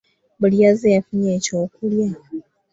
Buli yazze yafunye ekyokulya.